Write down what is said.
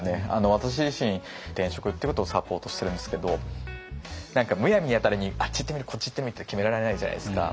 私自身転職っていうことをサポートしてるんですけど何かむやみやたらにあっち行ってみるこっち行ってみるって決められないじゃないですか。